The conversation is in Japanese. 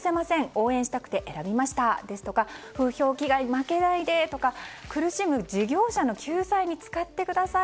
応援したくて選びましたとか風評被害に負けないでとか苦しむ事業者の救済に使ってください。